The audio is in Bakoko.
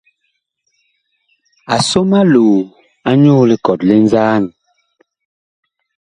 A som aloo anyuu likɔt li nzaan.